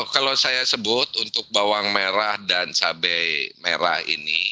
kalau saya sebut untuk bawang merah dan cabai merah ini